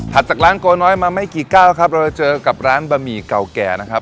จากร้านโกน้อยมาไม่กี่ก้าวครับเราจะเจอกับร้านบะหมี่เก่าแก่นะครับ